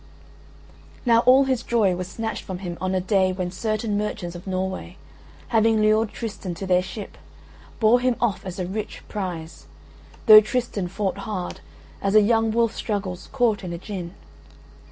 Now all his joy was snatched from him on a day when certain merchants of Norway, having lured Tristan to their ship, bore him off as a rich prize, though Tristan fought hard, as a young wolf struggles, caught in a gin.